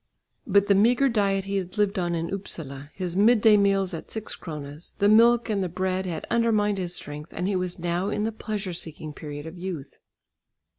But the meagre diet he had lived on in Upsala, his midday meals at 6 kronas, the milk and the bread had undermined his strength, and he was now in the pleasure seeking period of youth.